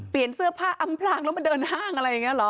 เสื้อผ้าอำพลางแล้วมาเดินห้างอะไรอย่างนี้เหรอ